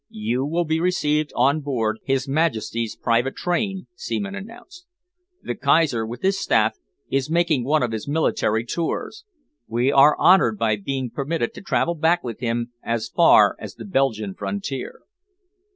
"You will be received on board His Majesty's private train," Seaman announced. "The Kaiser, with his staff, is making one of his military tours. We are honoured by being permitted to travel back with him as far as the Belgian frontier."